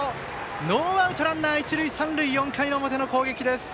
ノーアウトランナー、一塁三塁４回の表の攻撃です。